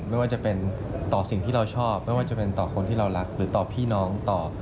ไม่ว่าจะเป็นต่อสิ่งที่เราชอบไม่ว่าจะเป็นต่อคนที่เรารักหรือต่อพี่น้องต่อ